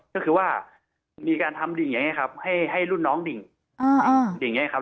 ก็คือว่ามีการทำดิ่งอย่างนี้ครับให้รุ่นน้องดิ่งอย่างนี้ครับ